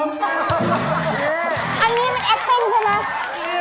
นี่จริง